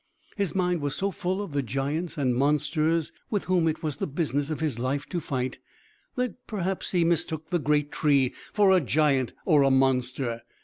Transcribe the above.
His mind was so full of the giants and monsters with whom it was the business of his life to fight, that perhaps he mistook the great tree for a giant or a monster.